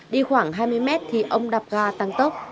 đi khoảng hai mươi mét thì ông đạp ga tăng tốc